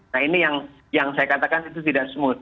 nah ini yang saya katakan itu tidak smooth